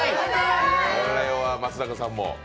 これは松坂さんも？